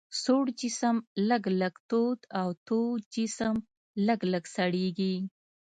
سوړ جسم لږ لږ تود او تود جسم لږ لږ سړیږي.